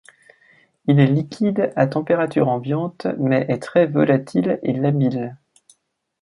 Il est liquide à température ambiante mais est très volatil et labile.